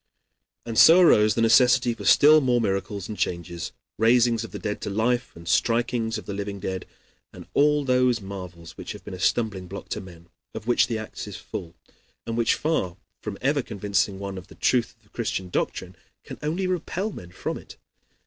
And so arose the necessity for still more miracles and changes, raisings of the dead to life, and strikings of the living dead, and all those marvels which have been a stumbling block to men, of which the Acts is full, and which, far from ever convincing one of the truth of the Christian doctrine, can only repel men from it.